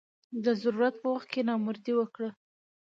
د ضرورت په وخت کې نامردي وکړه.